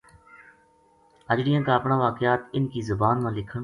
اجڑیاں کا اپنا واقعات اِنھ کی زبان ما لکھن